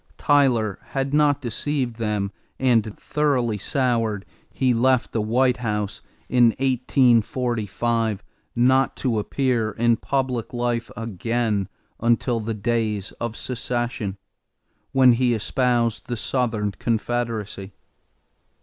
Tyler had not deceived them and, thoroughly soured, he left the White House in 1845 not to appear in public life again until the days of secession, when he espoused the Southern confederacy.